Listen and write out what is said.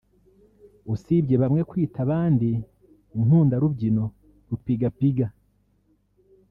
usibye bamwe kwita abandi ‘inkundarubyino/rupigapiga’